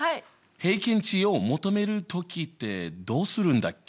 平均値を求める時ってどうするんだっけ？